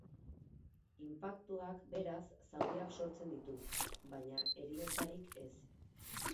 Inpaktuak, beraz, zauriak sortzen ditu, baina heriotzarik ez.